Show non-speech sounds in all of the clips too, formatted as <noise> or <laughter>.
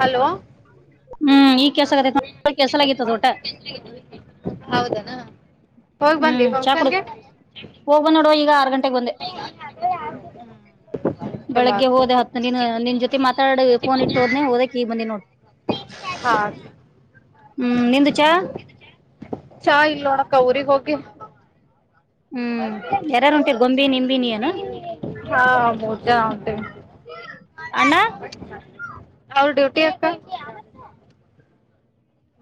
Hello ಹ್ಮ್ ಈಗ ಕೆಲ್ಸ ಆಗತೈತಿ ಕೆಲ್ಸಲಾಗಿತ್ತು ಅದು ಒಟ್ಟ ಹೌದನ. ಹು ಚಾ ಕುಡುದ್ ಹೋಗ್ಬನ ನೋಡುವ ಈಗ ಆರ್ ಗಂಟೆಗ್ ಬಂದೆ. ಹು ಚಲೋ ಬೆಳಗ್ಗೆ ಆತು ಹೋದ ಹತ್ತ ದಿನ ನಿನ್ ಜೊತೆ ಮಾತಾಡ ಫೋನ್ ಇಟ್ಟುಹೊದ್ನ ಹೋದಕಿ ಈಗ ಬಂದಿನ ನೋಡ. ಹಾ ಹು ನಿಂದ ಚಾ. ಚಾ ಇಲ್ಲ ನೋಡಕ್ಕಾ ಊರಿಗೆ ಹೋಗಿ. ಹು ಯಾರಾರು ಹೊಂಟಿರಿ ಗೊಂದಿ ನಿಂಬಿ ನಿ ಏನ. ಹಾ ಮೊಡ್ಕ ಹೊಂಟೀನಿ ಮಗಾ. ಅಣ್ಣ ಅವರ ಡ್ಯೂಟಿ ಅಕ್ಕಾ.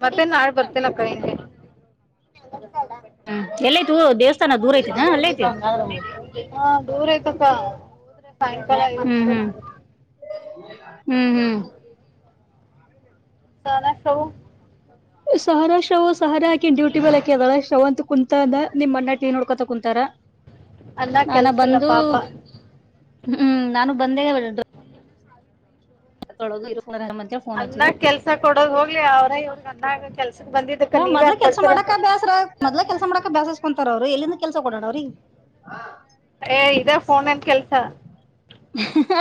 ಬರ್ತೇನ ನಾಳೆ ಬರ್ತೇನಿ ಅಕ್ಕಾ ನಾಳೆ ಹಿಂಗೆ. ಹು ಎಲ್ಲಿ ದೊರಹೋದಿ. ಹಂಗ ಆದ್ರ ಅವು ಹಾ ದೂರ ಐತಿ ಅಕ್ಕಾ. ಅಂದ್ರ ಸಾಯಂಕಾಲ ಐದ ಗಂಟೆನ ಆಗತ್ತ. ಹು ಹು ದಾನೇಶ್ ಅವು. ಸಹಾರಾ ಶವು ಸಹಾರ ಆಕಿ ದ್ಯೋಟಿ ಮೇಲೆ ಅಕಿ ಅದಾಳ ಶವಂತ ಕುಂತಾನ ನಿಮ್ಮ ಅಣ್ಣಾ ಟಿ ವಿ ನೋಡ್ಕೊತ. ಕುಂತಾರ ಅನ್ನ ನಾನ ಕೆಲ್ಸ ಇಲ್ಲ ಬಂದು ಪಾಪ ಹು ನಾನು ಬಂದೇ ವಂದ್ ತೊಳುದು ಇದಕ್ಕ ಬರನ ಮತ್ತ ಹೇಳ್. ಅಣ್ಣಾಗ ಕೆಲ್ಸ ಕೊಡೋದ ಹೋಗ್ಲಿ ಅವ್ರ ಇವ ಅನ್ನ ಕೆಲ್ಸದ ಬಂದಿದ್ದಕ್ಕ ನೀವ್ಯಾಕ ಬರ್ತರಂತರ. ತ್ರ ಮೊದ್ಲ ಕೆಲ್ಸ ಮಾಡಕ ಬೇಸಸ್ಕೊಂತಾರ ಅವರು ಎಲ್ಲಿಂದ ಕೆಲ್ಸ ಕೊಡೋಡ ಅವ್ರೀಗ. ಏ ಇದ ಫೋನ್ನ್ಯಾಗ ಕೆಲ್ಸ.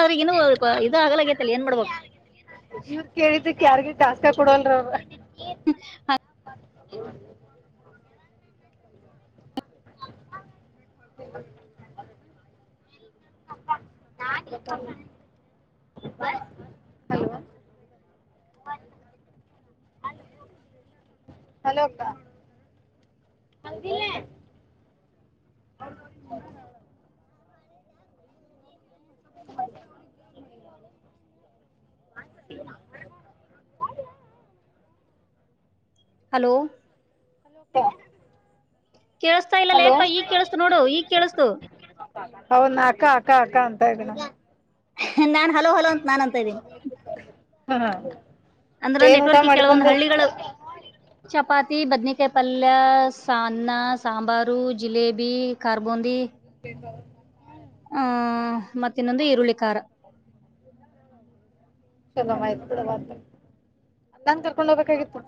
ಅದ್ರಗ ಇನ್ನು ಹ ಇದು ಆಗಲಗೇತ್ತ ಏನ್ ಮಾಡ್ಬೇಕ. ಇವರ ಕೇಳಿದಕ್ಕ ಯಾರ್ಗು ಟಾಸ್ಕ್ ಕೊಡವಲ್ಲರು ಅವರು. ಹು ಹಂಗ. ಮಾಡ್ಲೇಪಾ ನಿಮ್ಮನ್. ನ ಬ <inaudible> ಉಮನ್. ಹಲೋ ಅಕ್ಕಾ ಹೌದಿಲ್ಲ. ಅವರು ಮನ್ಯಾಗ. ಅ <inaudible> <unintelligible> ಹಲೋ ಮತ್ತೆ. ಕೇಳಸ್ತಾ ಇಲ್ಲ ಲೇಪಾ ಈಗ್ ಕೇಳಸ್ತು ನೋಡು ಈಗ್ ಕೇಳಸ್ತು. ಅವನ್ ಅಕ್ಕಾ ಅಕ್ಕಾ ಅಕ್ಕಾ ಅಂತಾ ಇದಾನ. ನಾನ್ ಹಲೋ ಹಲೋ ಅಂತ ನಾನ್ ಅಂತೆನಿ. ಹ ಅಂದ್ರ ಏನ್ ಊಟ ನೆಟ್ವರ್ಕ್ ಕೆಲವೊಂದ್ ಮಾಡಿಬಂದಿ. ಹಳ್ಳಿಗಳು ಚಪಾತಿ ಬದನೇ ಕಾಯಿ ಪಲ್ಯ ಸಾನ್ನ ಸಾಂಬಾರು ಜಲೇಬಿ ಖರ್ಬೂಂದಿ <inaudible> ಆ ಮತ್ತನ್ನೊಂದು ಈರುಳ್ಳಿ ಖಾರ. ಶುಭ ಆಯ ಕಡ ನಂ <unintelligible> ಕರ್ಕೊಂಡ ಹೋಗಬೇಕಾಗಿತ್ತು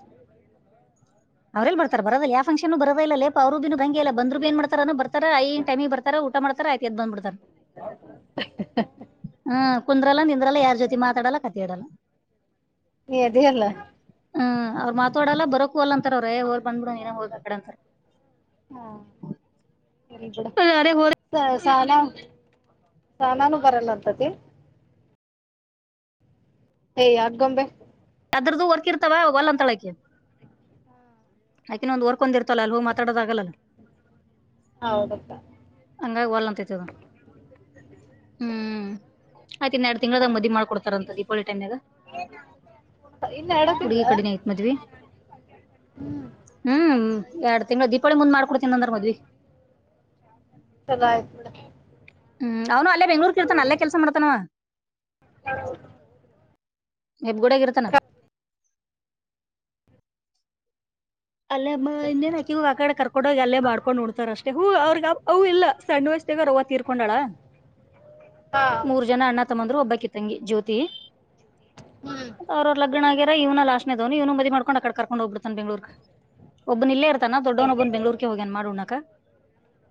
ಅವ್ರೇಲ್ ಬರ್ತ ಬರದಲ್ಲ ಯಾವ ಫಕ್ಷನ್ನು ಬರದೇ ಇಲ್ಲ ಲೇ ಅವರು ಬಿನು ಭಂಗ ಇಲ್ಲ ಬಂದ್ರು ಬಿ ಏ ಮಾಡತಾರ ಬರ್ತ ಐ ಟೈಮ ಬರ್ಾರ <unintelligible> ಊಟ ಮಾಡ್ತ ಆಗೆ ಎದ ಬಂದ್ ಬಿಡ್ತಾರ ಹ <inaudible> ಹ್ಮ್ ಕುಂದ್ರಲ್ಲ ನಿಂದ್ರಲ್ಲ ಯಾರ್ ಜೊತೆ ಮಾತಾಡಲ್ಲ ಕತಿಯಾಡಲ್ಲ ನೀ ಅದೀ ಅಲ್ಲ ಹ್ಮ್ ಅವ್ರುತಡಲ್ಲ ಬರೋಕ ಅಲ್ಲ ಅಂತಾರ ಅವ್ರೇ ಹೊರ್ ಬಂದಬ ಬಿಡು ನೀನೇ ಹೋಗ್ ಬಂದ್ ಬೀಡು ಅಂತಾರೆ ಹಾ ಸರಿಬುಡು ಅ ಅರೆೇ <unintelligible> ಸ ಸಾನಾ ಸಾನಾನು ಬರಲ್ಲ ಅಂತತಿ <unintelligible> ಹೇ ಆಗೊಂಬೆ ಅದ್ರದ್ದು ವರ್ಕ್ರ್ತವ ಒಲ ಅಂತಾಳ ಆಕಿ ಆಕಿನ <unintelligible> ಒಂದ್ರ್ಕೊಿರ್ತಲ್ಲ ಅ ಹಿತಡದ ಆಗಲ್ಲ ಹ ಹೌದಪ್ಪಾ ಹಂಗಾಗಿ ಹೊಲ್ ಅಂತೈತದು ಹ್ಮ್ ಆಕೀ ಇನ್ನ ಎರಡು ತಿಂಗಳದಾಗ ಮದ್ವೇ ಮಾಡ್ಕೊಡ್ತಾರಂತ ದೀಪಾವಳಿ ಟೈಮಾಗ ಹ್ಮ ಹುಡುಗಿ ಕಡೆೆಯ ಮದ್ವಿ ಹ್ಮ್ ಹ್ಮ್ ಎರಡ್ ತಿಂಗಳು ದೀಪಾವಳಿ ಮುಂದ್ ಮಾಡ್ಕೊಡ್ತೀನ ಅಂದ್ರ ಮದ್ವಿ ಸಗಾಯ <unintelligible> ಹ್ಮ್ ಅವನು ಅಲ್ಲೇ ಬೆಂಗಳೂರ್ ಕ ಇರ್ತಾನ ಅಲ್ಲೇ ಕೆಲಸ ಮಾಡ್ತಾನ ಹ <unintelligible> ಹೆಬ್ಬಗುಡಗ <unintelligible> ಇರ್ತಾನನಾ ಅಲ್ಲೇ ಇನ್ನೇನ್ <unintelligible> ಆಕಿ ಆ ಕಡೆ ಕರ್ಕೊಂಡೋಗ ಅಲ್ಲೇ ಮಾಡ್ಕೊಂಡು ನಡ್ತಾರಷ್ಟ ಹ ಅವ್ರಗ ಅವ ಇಲ್ಲ ಸಣ್ಣ ವಯಸ್ಗ ರವ ತೀರ್ಕೊಂಡಾಳ ಹಾ ಮೂ <unintelligible> ಜನ ಅಣ್ಣ ತಮ್ಮಂದ್ರು ಒಬ್ಬಕ್ಕೆ ತಂಗಿ ಜ್ಯೋತಿ ಹ್ಮ್ ಅವ್ರ ಅವ ಲಗ್ನ ಆಗ್ಯಾರ ಇವ್ನ ಲಾಸ್ಟ್ ನೀವನು ಮ ಮಾಡ್ಕೊಂಡ ಅ ಕರ್ಕೊಂಡ ಹೋಗಬಿತಾನ ಬೆಂಗಳೂರ್ <unintelligible> ಒಬ್ಬನ ಇಲ್ಲೇ ಇರ್ತಾನ ದೊಡ್ಡವನ ಒಬ್ಬನ್ ಬೆಂಗಳೂರ್ರಿಗೆ ಹೋಗ್ಯನ್ ಮಾಡ್ಉಣಕ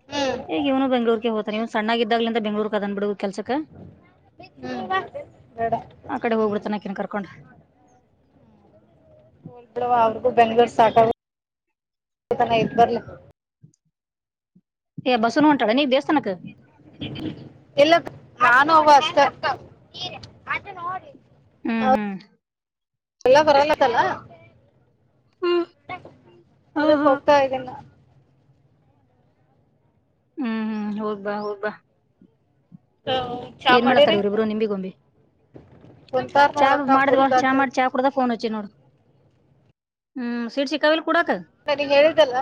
ಹ್ಮ್ ಈಗ ಇವನು ಬೆಂಗಳೂರಿಗೆ ಹೋತಾನವ ಸಣ್ಣಾಗಿದ್ದಾಗಲಂದ ಬೆಂಗಳೂರ್ಕದನ್ ಬಿಡು ಕೆಲ್ಸಕ್ಕ <unintelligible> ಆ ಕಡೆ ಹ್ಮ್ ಹೋಗ್ಬಿತನಕನ್ ಅಕಿನ ಕರ್ಕೊಂಡು ಬಿಡವ್ವ ಅವ್ರಿಗೂ ಬೆಂಗ್ಗಳೂರು ಸಾಕ <inaudible> ಇದ ಬರ್ಲ ಬಸೂನು ಉಂಟಡಾ ನೀವು ದೇವಸ್ಥಾನಕ್ಕ ಎಲ್ಲ <inaudible> ನಾನು ನೋ ಹ <unintelligible> ಹ್ಮ್ ಹ್ಮ್ ಎಲ್ಲ ಪರಲ್ಲತ್ತಲ್ಲ ಹ್ಮ್ ಅದಕ್ ಹೋಗ್ತಾ ಇದೀನ ಹ್ಮ್ ಹ್ಮ್ ಹೋಗಬಾ ಹೋಗಬಾ ಹ ಚಾ ಮಾಡತಾರ ಮಾಡಿರಿ ಇವ್ರಿಬ್ರು ನಿಂಬಿಗೊಂಬಿ ಕುಂತಾರ್ ನೋಡಕ ಕುತ <unintelligible> ಅಡದ ಫೋನ್ ಹಚ್ಚಿ ನೋಡ ಹ್ಮ್ ಸೀಟ್ ಸಿಕ್ಕಾವಿಲ್ಲ ಕುಡಾಕ ಸರಿ ಹೇಳಿದ್ದಲ್ಲ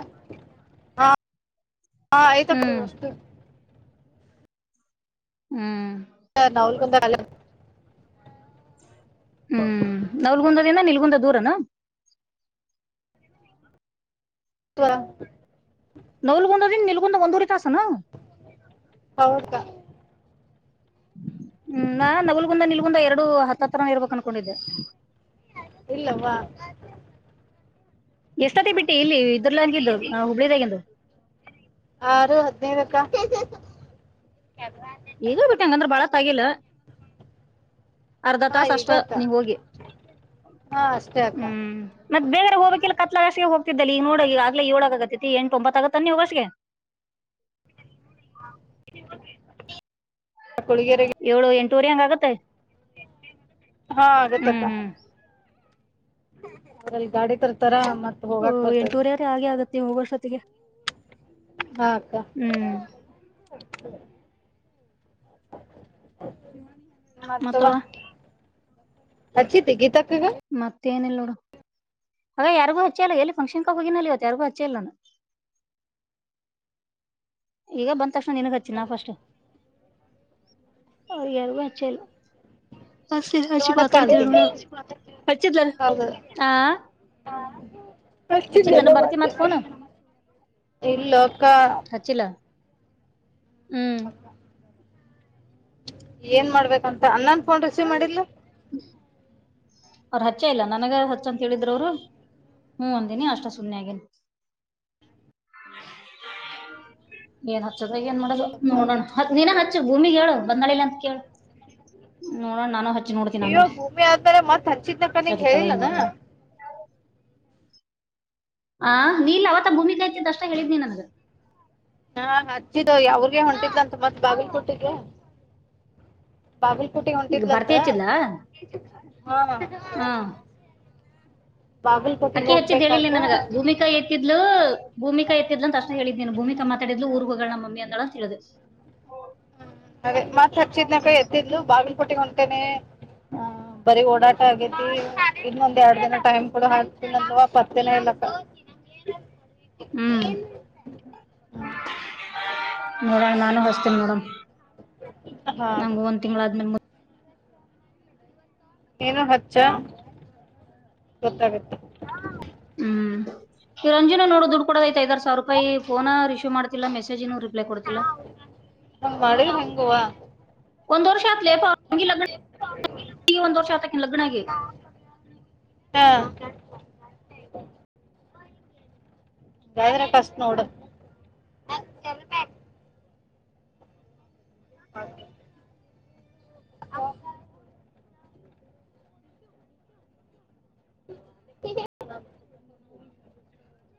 ಹ <unintelligible> ಆಯ್ತಕ್ರೀ ಹ್ಮ್ ಅಸ್ು ಹ್ಮ್ ನಾವುಲ್ಗೊಂದ ಅಲ್ಲ <unintelligible> ಹ ಹ್ಮ್ ನವಲ್ಗುಂದದಿಂದ ನಿಲ್ಗುಂದದ ದೂರನ ವ ನಲ್ಗೊಂಡ್ರ ನಿಲ್ಗೊಂಡು ಒಂದೂರಿ ತಾಸನ ಹೌದಾ ಹ್ಮ್ ನಾ ನಗಲ್ಗುಂದ ನಿಲ್ಗುಂದ ಎರಡು ಹತ್ತತ್ತ ತರಾನ ಇರ್ಬೇಕಕ್ ಅನ್ಕೊಂಡಿದ್ದೆ ಇಲ್ಲವಾ ಎಷ್ಟತ್ತತಿ ಬಿಟ್ಟಿ ಇಲ್ಲಿ ಇದರ್ಲಂಗಿದ್ದು ಹುಬ್ಳ್ಳಿದದಾಗಂಗಿದ್ದು ಆರು ಹದಿನೈದಕ್ಕ ಈಗ ಬಿಟ್ಟಂಗಂದ್ರ ಬಾಳ ತಗಿಿಲ್ಲ ಅರ್ಧ ಹಾ ತಾಸ ಈಗ ಅಷ್ಟ ಅಕ್ಕ ನೀ ಹೋಗಿ ಹಾ ಅಷ್ಟೇ ಅಕ್ಕ ಮತ್ತ ಬೇರೆ ಹೋಗಕಿಲ್ಲ ಕಲಾಸ ಹೋಗತಿದ್ದಲ್ಲಿ ಈ ನೋಡೋ ಈ ಆಗ್ಲ ಇಏಳಾಗ ಆಗೈತಿ ಎಟು ತೊತ್ತಾಗತ್ತೆ ಹೋಗಸಗೆ ಕ್ಕಳಿಗೆರೆ ಏಳು ಎಂಟುವರೆ ಹಂಗ ಆಗತ್ತೆ ಹಾ ಹ್ಮ್ ಆಗತ್ತಪ್ಪ ಹ್ಮ್ ಲ್ಲಿ ಗಾಡಿ ಕರ್ತಾರ ಮತ್ತೆ ಓಹ್ ಎಂಟೂರರೆ ಹಾಗೆ ಆಗತ್ತ ನೀವು ಹ ವರ್ಷೊತ್ತಿಗೆ ಹಕ ಗ ಮಾಡ ಮತ್ಸವ ಮತ್ತವ ಅಚ್ಚತಿ ಗೀತಾ ಪೀವ ಮತ್ತೇಏನಿಲ್ಲ ನೋಡು ಹಾಗಗ ಯಾರಿಗು ಹಚ್ಚ ಅಲ್ಲ ಎಲ್ಲಿಫಕ್ಷನ್ಕ ಹೋಗಿನಿಲ್ಲ ಇವ ಯಾರಿಗುಚ್ಚೆಲ್ಲು ಈಗ ಬಂದ ತಕ್ಷಣ ನಿನ ಹಚ್ಚಿನ ನಾ ಫಸ್ಟ್ ಯಾರಿಗೂ ಹಚ್ಚಿಲ್ಲ ಹೆ ಅ ತಗೊಂಡಕ್ಕ ಪತಡ್ತಿರ ನಡ ಅಂತೀನಿ ಹಚ ಹಾ ಹಾ ಇಲ್ಲಕ್ಕ ಚಲ ಹ್ಮ್ ಏನ್ ಮಾಡ್ಬೇಕಂತ ಅನ್ನನ್ ಕೊಂಡ್ ಸೀವ್ ಮಾಡಿಲ್ಲ ಅವರು ಹಚ್ಚ ಇಲ್ಲ ನನಗ ಹಚ್ಚಂತ ಹೇಳಿದ್ರು ಅವರು ಹ ಒಂದಿನಿ ಅಷ್ಟಷ್ಟ ಸುನೆೆ ಆಗ ಏನ್ ಹತ್ತದಾಗ ಏನ್ ಮಾಡೋ ನೋಡೋಣ ದಿನ ಹಚ್ಚು ಭೂಮಿ ಹೇಳು ಬಂದ್ಾಳಿಲ್ಲ ಅಂತ ಕೇಳ ನೋಡೋಣ ನಾನು ಹಚ್ಚ ಇವಾಗ ಭೂಮಿ ಆದತಾರೆ ಮತ್ ಹಚ್ಚಿದನಕ್ಕನಿಂಗ ಎತ್ತತಾಳ ಏನ್ ಹೇಳಿಲ್ಲನಾ ಮಾಡೋದು ಆ ನೀಲ್ ಅವತ ಭೂಮಿಕಾ ಆಐ್ದ ಅಷ್ಟ ಹೇಳಿದ್ಿ ನನ್ಗೆ ಹಾ ಹಚ್ಚಿದ್ದು ಯ ಅವ್ರಗೆ ಹೊಂಟಿದ್ದಂತ ಮತ್ ಬಾಗಿಲಿಕುಟ್ಟಿಗೆ ಬಾಗಿಲ್ ಕುುಟಿ ಈಗ ಹೊಂಟಿದ್ಲಂತ ಭರ್ತಿ ಹಚ್ಚಿದ್ಲ ಹ ಹಾ ಅಕ್ಕಿ ಹಚ್ಚಿದ ಹೇಳಿಲ್ಲ ಹೋಗ್ಬೇಕಾದ್ರ ನನಗ ಭೂಮಿಕಾ ಿದ್ಲು ಭೂಮಿಕಾ ಎತ್ತಿದ್ ಅಷ್ಟ ಹೇಳಿದ್ೇನು ಭೂಮಿಕ ಮಾತಾಡಿದ್ ಊರುಗಳನ್ನ ಮಮ್ಮಿ ಅಂದಳ ಅಂತ ಹೇಳಿದ್ ಹ್ಮ ಅದೇ ಮಾತ್ ಹಚ್ಚಿದ್ನಕ್ಕ ಎತ್ತಿದ್ದು ಬಾಗಿಲಪೋಟ್ಟಿಗ್ ಹೊಂಟೇನೆ ಹ ಬರಿೀ ಓಡಾಟ ಆಗೇತಿ ಇನ್ನೊಂದ್ ಎರಡ್ ದಿನ ಟೈಮ್ ಕಗಳು ಹಾಕ್ತಲ್ವಾ ಪತ್ತ ದಿನ ಹೇಳಲಕ್ಕ ಹ್ಮ್ ನೋಡ ನಾನು ಬಸ್ತೀನಿ ಮೇಡಮ್ ಹಾ ನಂಗಗೆ ಒಂದ್ ತಿಂಗಳ ಆದ್ಮೇಲೆ ಏನು ಹಚ್ಚ ಗೊತ್ತಾಗುತ್ತೆ ಹ್ಮ್ ಈ ರಂಜು ನೋ ದುಡ್ ಕೊಡೋದ್ ಐತಿ ಐದರ್ ಸ ವಿರುಪಾಯಿ ಫೋನರಿಶವ್ ಮಾಡತಿಲ್ಲ ಮೆಸೇಜುನು ರಿ ಅಲೈ ಕೊಡ್ತಿಲ್ಲ ಹಂಗ್ ಮಾಡಿದ್ರೆ ಹೆಂಗುವ ಹಾ ಒಂದೊರ್ಶಲಾ ಐತ್ಲೇಪ್ಪ <unintelligible> ಒಂದೊರ್ಷ ಅಯ್ತು ಲಗ್ನ ಆಗಿ ಹ ಯ್ರೆ ಕಫಸ್ಟ್ ನೋಡು ಹಾಗೆ <inaudible> <inaudible>